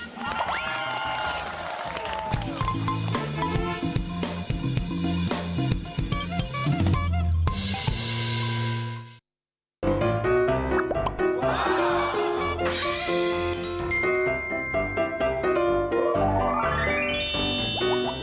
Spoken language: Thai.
ว้าว